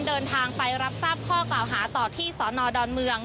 เดินทางไปรับทราบข้อกล่าวหาต่อที่สนดอนเมือง